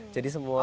jadi semua ini